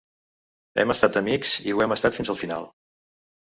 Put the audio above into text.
Hem estat amics i ho hem estat fins al final.